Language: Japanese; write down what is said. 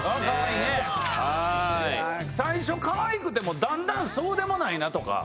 最初かわいくてもだんだんそうでもないなとか。